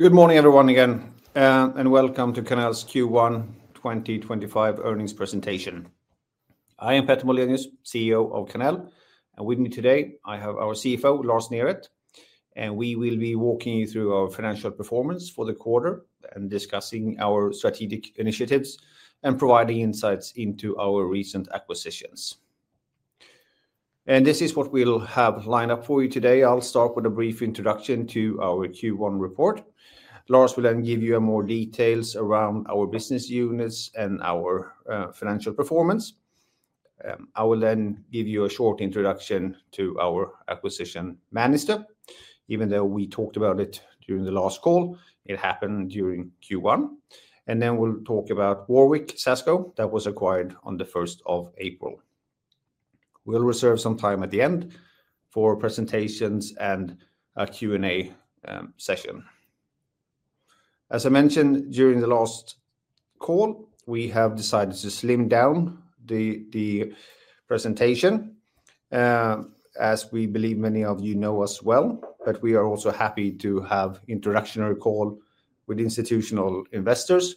Good morning, everyone, again, and welcome to Karnell Q1 2025 earnings presentation. I am Petter Moldenius, CEO of Karnell, and with me today, I have our CFO, Lars Neret, and we will be walking you through our financial performance for the quarter and discussing our strategic initiatives and providing insights into our recent acquisitions. This is what we have lined up for you today. I will start with a brief introduction to our Q1 report. Lars will then give you more details around our business units and our financial performance. I will then give you a short introduction to our acquisition Männistö. Even though we talked about it during the last call, it happened during Q1. We will talk about Warwick SASCo, that was acquired on the 1st of April. We will reserve some time at the end for presentations and a Q&A session. As I mentioned during the last call, we have decided to slim down the presentation, as we believe many of you know us well, but we are also happy to have an introduction call with institutional investors.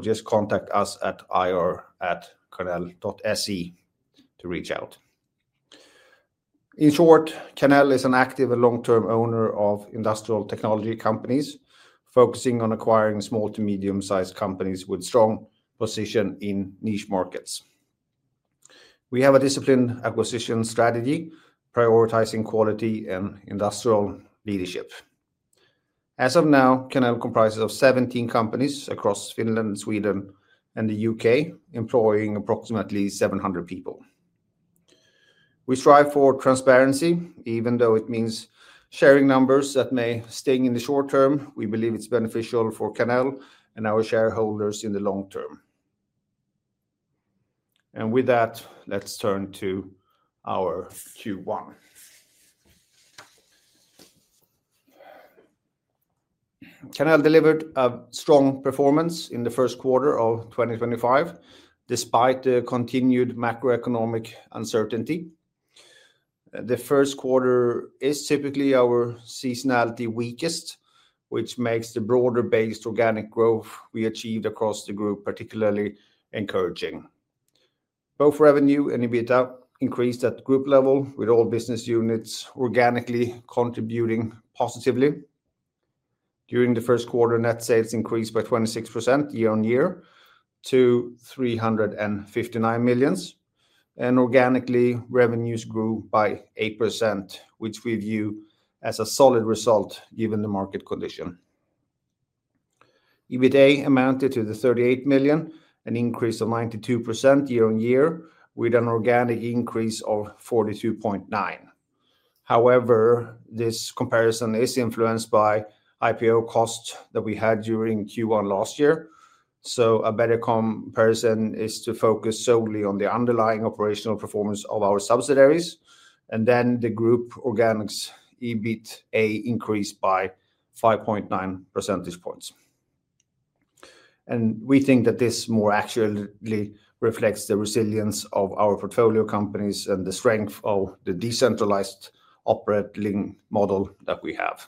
Just contact us at ir@karnell.se to reach out. In short, Karnell is an active and long-term owner of industrial technology companies, focusing on acquiring small to medium-sized companies with strong positions in niche markets. We have a disciplined acquisition strategy, prioritizing quality and industrial leadership. As of now, Karnell comprises 17 companies across Finland, Sweden, and the U.K., employing approximately 700 people. We strive for transparency, even though it means sharing numbers that may sting in the short term. We believe it is beneficial for Karnell and our shareholders in the long term. With that, let's turn to our Q1. Karnell delivered a strong performance in the first quarter of 2025, despite the continued macroeconomic uncertainty. The first quarter is typically our seasonally weakest, which makes the broader-based organic growth we achieved across the group particularly encouraging. Both revenue and EBITDA increased at group level, with all business units organically contributing positively. During the first quarter, net sales increased by 26% year-on-year to 359 million, and organically, revenues grew by 8%, which we view as a solid result given the market condition. EBITDA amounted to 38 million, an increase of 92% year-on-year, with an organic increase of 42.9%. However, this comparison is influenced by IPO costs that we had during Q1 last year. A better comparison is to focus solely on the underlying operational performance of our subsidiaries, and then the group organic EBITDA increased by 5.9 percentage points. We think that this more accurately reflects the resilience of our portfolio companies and the strength of the decentralized operating model that we have.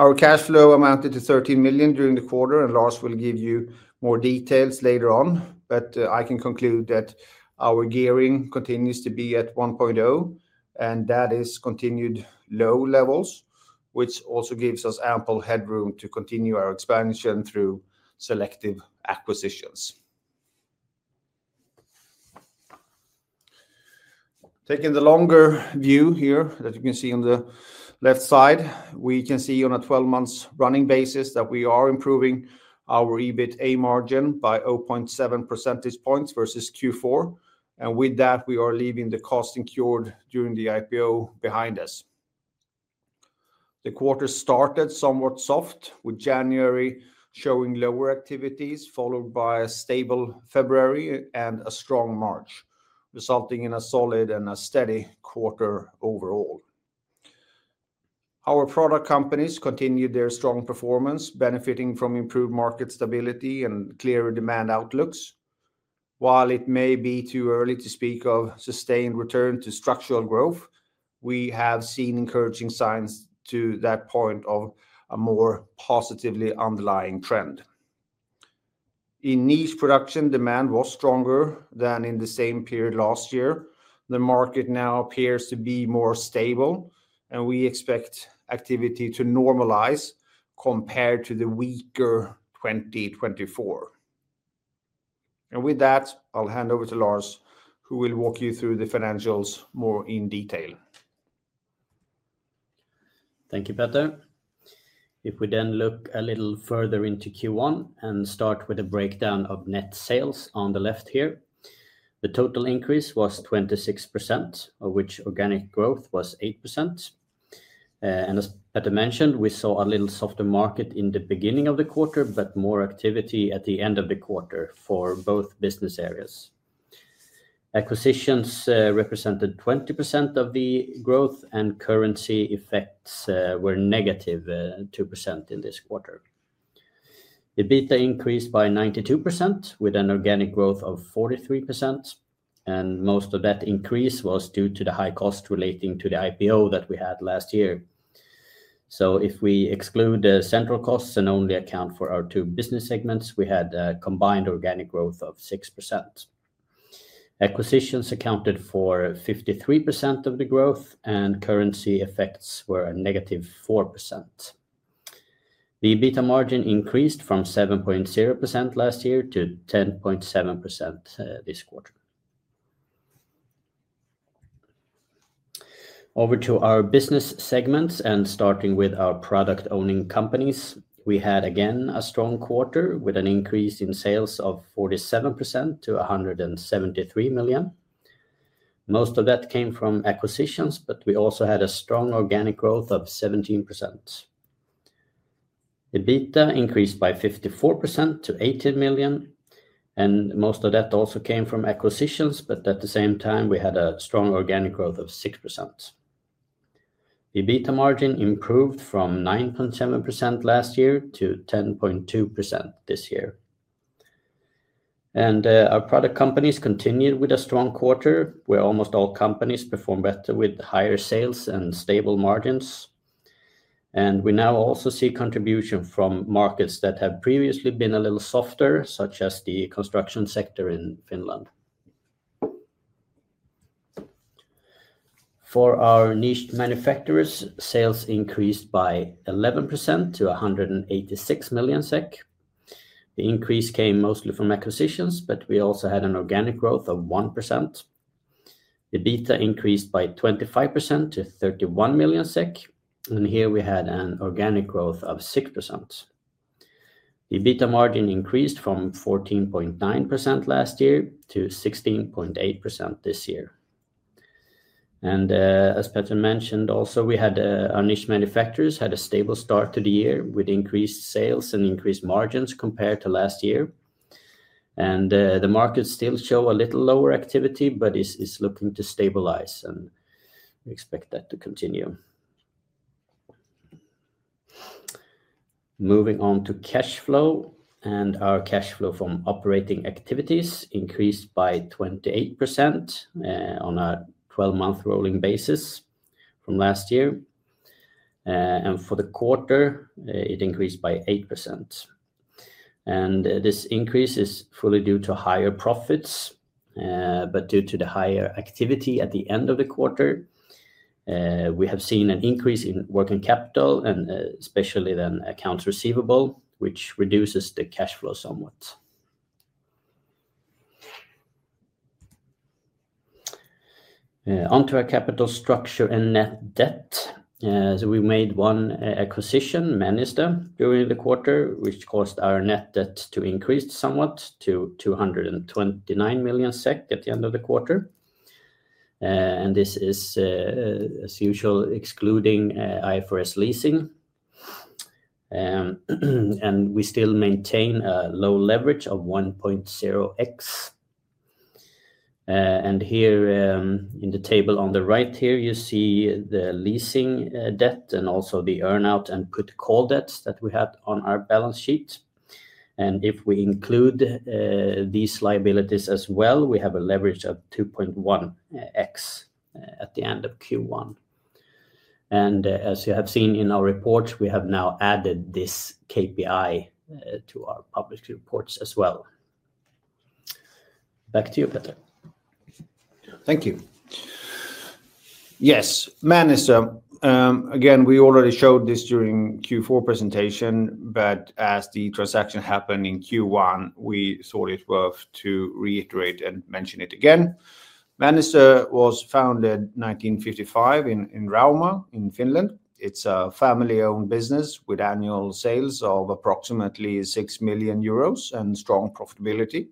Our cash flow amounted to 13 million during the quarter, and Lars will give you more details later on, but I can conclude that our gearing continues to be at 1.0, and that is continued low levels, which also gives us ample headroom to continue our expansion through selective acquisitions. Taking the longer view here that you can see on the left side, we can see on a 12-month running basis that we are improving our EBITA margin by 0.7 percentage points versus Q4. With that, we are leaving the cost incurred during the IPO behind us. The quarter started somewhat soft, with January showing lower activities, followed by a stable February and a strong March, resulting in a solid and a steady quarter overall. Our product companies continued their strong performance, benefiting from improved market stability and clearer demand outlooks. While it may be too early to speak of a sustained return to structural growth, we have seen encouraging signs to that point of a more positively underlying trend. In niche production, demand was stronger than in the same period last year. The market now appears to be more stable, and we expect activity to normalize compared to the weaker 2024. With that, I'll hand over to Lars, who will walk you through the financials more in detail. Thank you, Petter. If we then look a little further into Q1 and start with a breakdown of net sales on the left here, the total increase was 26%, of which organic growth was 8%. As Petter mentioned, we saw a little softer market in the beginning of the quarter, but more activity at the end of the quarter for both business areas. Acquisitions represented 20% of the growth, and currency effects were negative 2% in this quarter. EBITDA increased by 92%, with an organic growth of 43%. Most of that increase was due to the high costs relating to the IPO that we had last year. If we exclude the central costs and only account for our two business segments, we had a combined organic growth of 6%. Acquisitions accounted for 53% of the growth, and currency effects were -4%. The EBITDA margin increased from 7.0% last year to 10.7% this quarter. Over to our business segments, starting with our product-owning companies, we had again a strong quarter with an increase in sales of 47% to 173 million. Most of that came from acquisitions, but we also had a strong organic growth of 17%. EBITDA increased by 54% to 18 million, and most of that also came from acquisitions, but at the same time, we had a strong organic growth of 6%. EBITDA margin improved from 9.7% last year to 10.2% this year. Our product companies continued with a strong quarter, where almost all companies performed better with higher sales and stable margins. We now also see contribution from markets that have previously been a little softer, such as the construction sector in Finland. For our niche manufacturers, sales increased by 11% to 186 million SEK. The increase came mostly from acquisitions, but we also had an organic growth of 1%. EBITDA increased by 25% to 31 million SEK, and here we had an organic growth of 6%. EBITDA margin increased from 14.9% last year to 16.8% this year. As Petter mentioned also, our niche manufacturers had a stable start to the year with increased sales and increased margins compared to last year. The markets still show a little lower activity, but it is looking to stabilize, and we expect that to continue. Moving on to cash flow, our cash flow from operating activities increased by 28% on a 12-month rolling basis from last year. For the quarter, it increased by 8%. This increase is fully due to higher profits, but due to the higher activity at the end of the quarter, we have seen an increase in working capital, and especially then accounts receivable, which reduces the cash flow somewhat. Onto our capital structure and net debt. We made one acquisition, Männistö, during the quarter, which caused our net debt to increase somewhat to 229 million SEK at the end of the quarter. This is, as usual, excluding IFRS leasing. We still maintain a low leverage of 1.0x. In the table on the right here, you see the leasing debt and also the earnout and put call debts that we had on our balance sheet. If we include these liabilities as well, we have a leverage of 2.1x at the end of Q1. As you have seen in our reports, we have now added this KPI to our public reports as well. Back to you, Petter. Thank you. Yes, Männistö. Again, we already showed this during Q4 presentation, but as the transaction happened in Q1, we thought it was worth to reiterate and mention it again. Männistö was founded in 1955 in Rauma in Finland. It's a family-owned business with annual sales of approximately 6 million euros and strong profitability.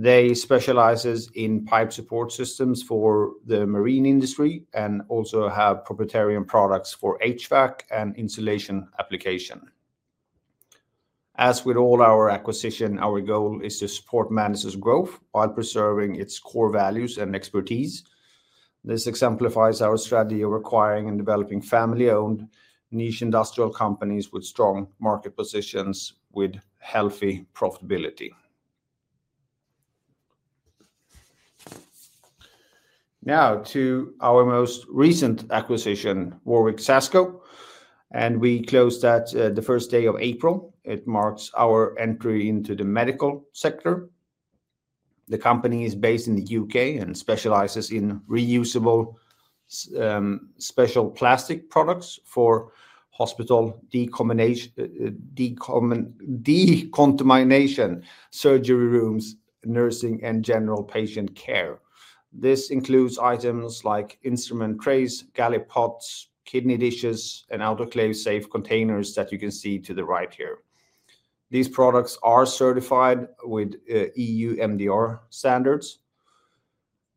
They specialize in pipe support systems for the marine industry and also have proprietary products for HVAC and insulation application. As with all our acquisitions, our goal is to support Männistö's growth while preserving its core values and expertise. This exemplifies our strategy of acquiring and developing family-owned niche industrial companies with strong market positions with healthy profitability. Now to our most recent acquisition, Warwick SASCo, and we closed that the first day of April. It marks our entry into the medical sector. The company is based in the U.K. and specializes in reusable specialist plastic products for hospital decontamination surgery rooms, nursing, and general patient care. This includes items like instrument trays, galley pots, kidney dishes, and autoclave-safe containers that you can see to the right here. These products are certified with EU MDR standards.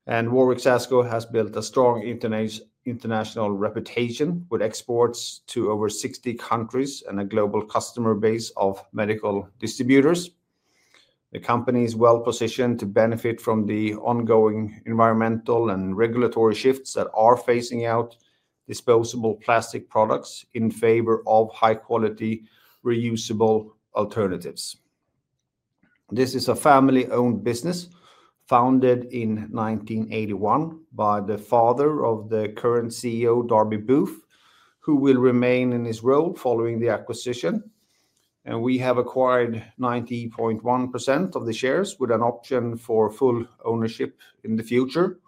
Warwick SASCo has built a strong international reputation with exports to over 60 countries and a global customer base of medical distributors. The company is well positioned to benefit from the ongoing environmental and regulatory shifts that are phasing out disposable plastic products in favor of high-quality reusable alternatives. This is a family-owned business founded in 1981 by the father of the current CEO, Darby Booth, who will remain in his role following the acquisition. We have acquired 90.1% of the shares with an option for full ownership in the future.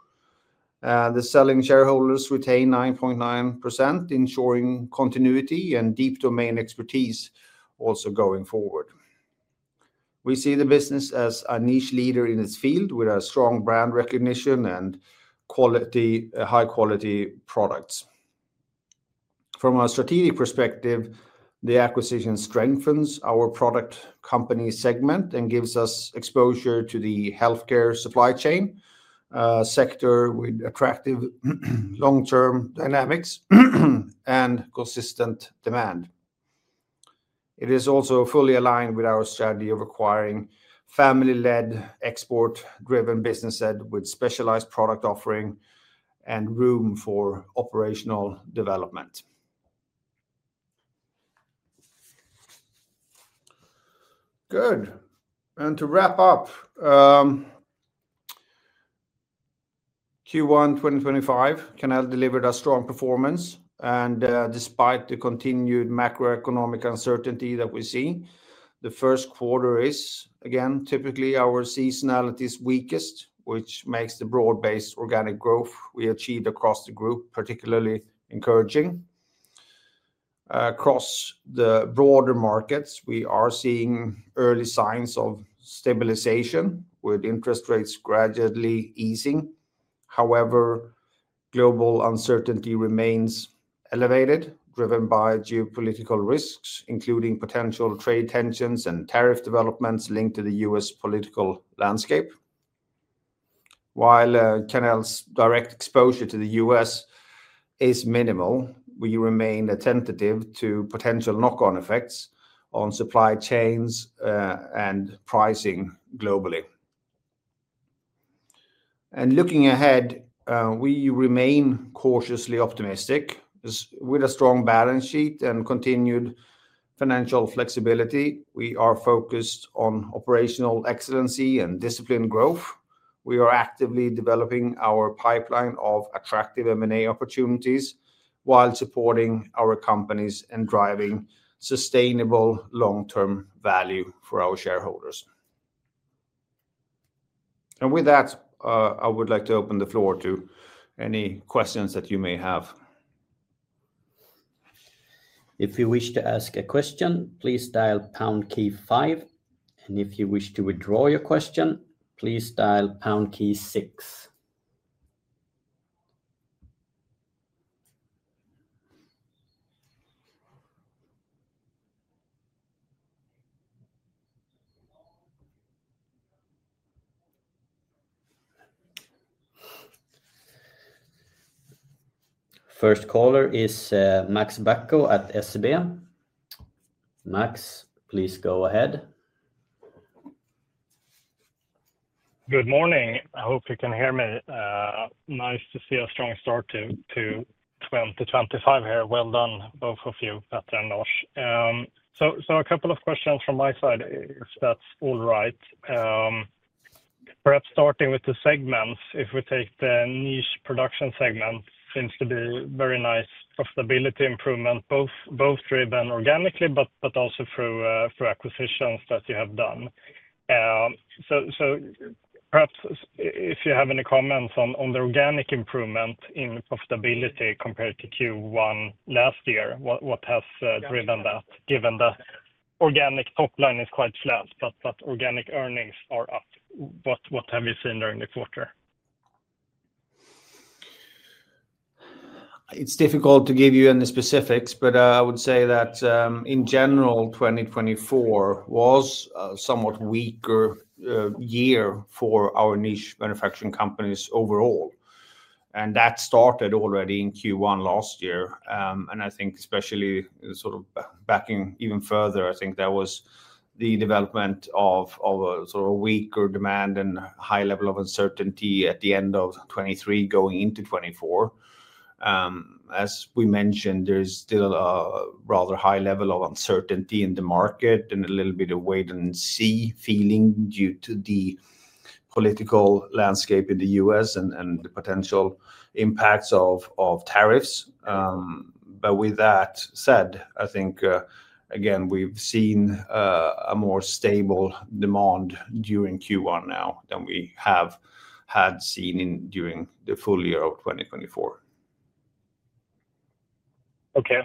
The selling shareholders retain 9.9%, ensuring continuity and deep domain expertise also going forward. We see the business as a niche leader in its field with strong brand recognition and high-quality products. From a strategic perspective, the acquisition strengthens our product company segment and gives us exposure to the healthcare supply chain sector with attractive long-term dynamics and consistent demand. It is also fully aligned with our strategy of acquiring family-led export-driven businesses with specialized product offering and room for operational development. Good. To wrap up, Q1 2025, Karnell delivered a strong performance. Despite the continued macroeconomic uncertainty that we see, the first quarter is, again, typically our seasonality's weakest, which makes the broad-based organic growth we achieved across the group particularly encouraging. Across the broader markets, we are seeing early signs of stabilization with interest rates gradually easing. However, global uncertainty remains elevated, driven by geopolitical risks, including potential trade tensions and tariff developments linked to the U.S. political landscape. While direct exposure to the U.S. is minimal, we remain attentive to potential knock-on effects on supply chains and pricing globally. Looking ahead, we remain cautiously optimistic. With a strong balance sheet and continued financial flexibility, we are focused on operational excellency and disciplined growth. We are actively developing our pipeline of attractive M&A opportunities while supporting our companies and driving sustainable long-term value for our shareholders. I would like to open the floor to any questions that you may have. If you wish to ask a question, please dial pound key five. If you wish to withdraw your question, please dial pound key six. First caller is Max Bacco at SEB. Max, please go ahead. Good morning. I hope you can hear me. Nice to see a strong start to 2025 here. Well done, both of you, Petter and Lars. A couple of questions from my side, if that's all right. Perhaps starting with the segments, if we take the niche production segment, seems to be very nice profitability improvement, both driven organically, but also through acquisitions that you have done. Perhaps if you have any comments on the organic improvement in profitability compared to Q1 last year, what has driven that, given that organic top line is quite flat, but organic earnings are up? What have you seen during the quarter? It's difficult to give you any specifics, but I would say that in general, 2024 was a somewhat weaker year for our niche manufacturing companies overall. That started already in Q1 last year. I think especially sort of backing even further, I think that was the development of a sort of weaker demand and high level of uncertainty at the end of 2023 going into 2024. As we mentioned, there is still a rather high level of uncertainty in the market and a little bit of wait-and-see feeling due to the political landscape in the U.S. and the potential impacts of tariffs. With that said, I think, again, we've seen a more stable demand during Q1 now than we have had seen during the full year of 2024. Okay.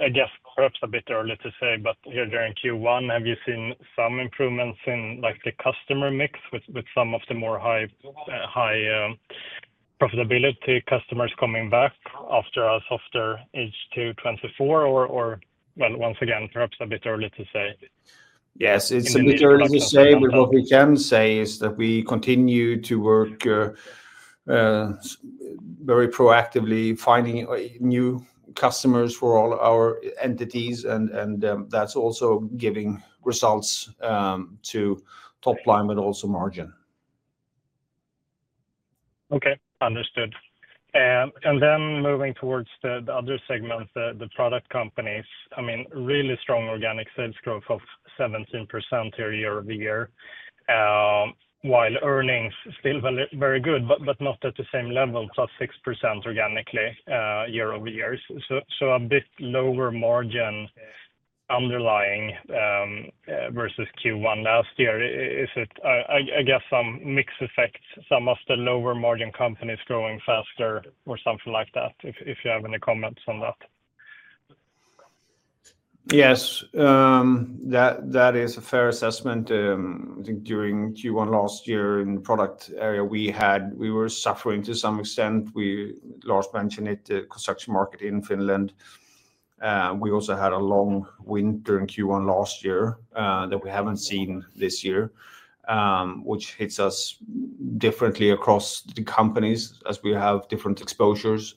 I guess perhaps a bit early to say, but here during Q1, have you seen some improvements in the customer mix with some of the more high profitability customers coming back after a softer H2 2024? Or, once again, perhaps a bit early to say. Yes, it's a bit early to say, but what we can say is that we continue to work very proactively, finding new customers for all our entities, and that's also giving results to top line, but also margin. Okay, understood. Then moving towards the other segments, the product companies, I mean, really strong organic sales growth of 17% here year-over-year, while earnings still very good, but not at the same level, plus 6% organically year-over-year. A bit lower margin underlying versus Q1 last year. Is it, I guess, some mixed effects, some of the lower margin companies growing faster or something like that? If you have any comments on that. Yes, that is a fair assessment. I think during Q1 last year in the product area, we were suffering to some extent. We largely mentioned it, the construction market in Finland. We also had a long winter during Q1 last year that we have not seen this year, which hits us differently across the companies as we have different exposures.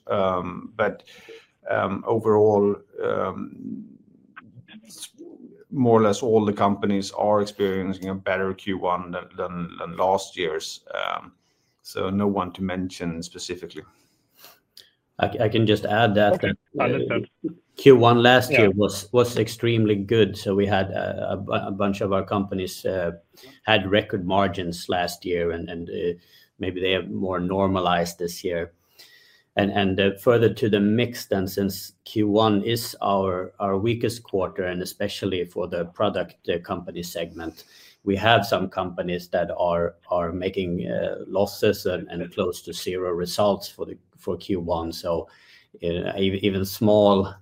Overall, more or less all the companies are experiencing a better Q1 than last year. No one to mention specifically. I can just add that Q1 last year was extremely good. We had a bunch of our companies had record margins last year, and maybe they have more normalized this year. Further to the mix then, since Q1 is our weakest quarter, and especially for the product company segment, we have some companies that are making losses and close to zero results for Q1. Even small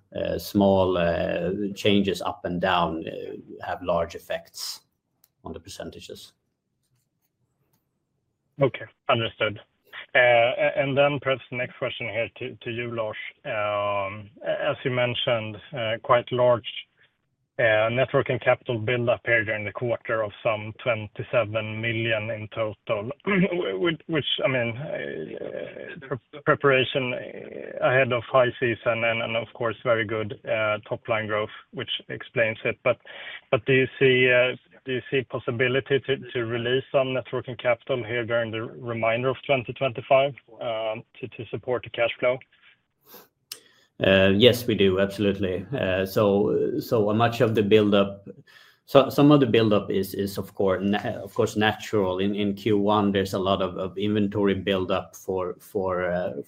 changes up and down have large effects on the percentages. Okay, understood. Perhaps the next question here to you, Lars. As you mentioned, quite large net working capital build-up here during the quarter of some 27 million in total, which, I mean, preparation ahead of high season and, of course, very good top line growth, which explains it. Do you see possibility to release some net working capital here during the remainder of 2025 to support the cash flow? Yes, we do. Absolutely. So much of the build-up, some of the build-up is, of course, natural. In Q1, there is a lot of inventory build-up for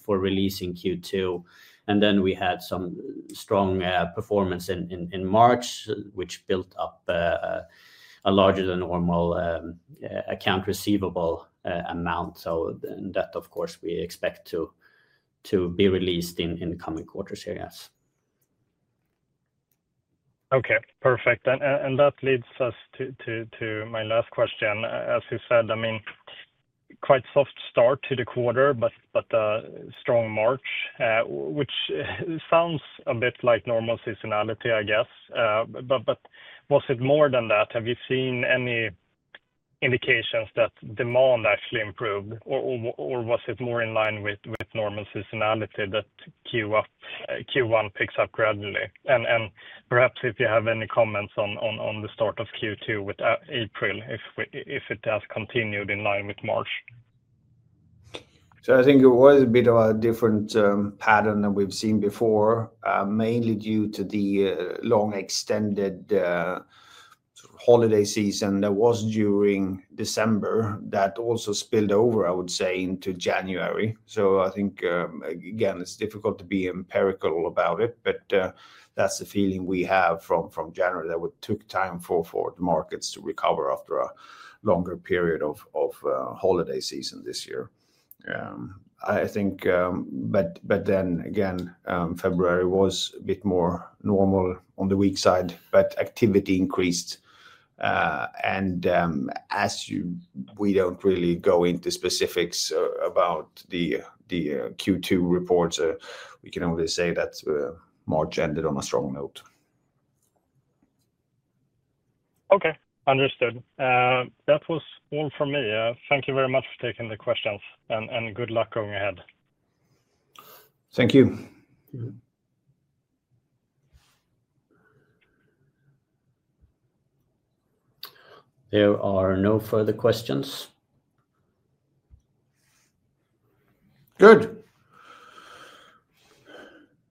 releasing Q2. We had some strong performance in March, which built up a larger than normal account receivable amount. That, of course, we expect to be released in the coming quarters here, yes. Okay, perfect. That leads us to my last question. As you said, I mean, quite soft start to the quarter, but strong March, which sounds a bit like normal seasonality, I guess. Was it more than that? Have you seen any indications that demand actually improved, or was it more in line with normal seasonality that Q1 picks up gradually? Perhaps if you have any comments on the start of Q2 with April, if it has continued in line with March. I think it was a bit of a different pattern than we've seen before, mainly due to the long extended holiday season that was during December that also spilled over, I would say, into January. I think, again, it's difficult to be empirical about it, but that's the feeling we have from January that it took time for the markets to recover after a longer period of holiday season this year. I think, but then again, February was a bit more normal on the weak side, but activity increased. As we don't really go into specifics about the Q2 reports, we can only say that March ended on a strong note. Okay, understood. That was all for me. Thank you very much for taking the questions and good luck going ahead. Thank you. There are no further questions. Good.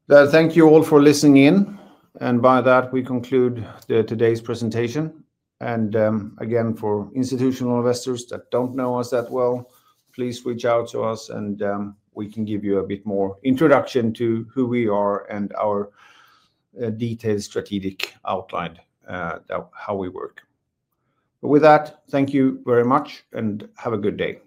Thank you all for listening in. By that, we conclude today's presentation. Again, for institutional investors that do not know us that well, please reach out to us and we can give you a bit more introduction to who we are and our detailed strategic outline, how we work. With that, thank you very much and have a good day.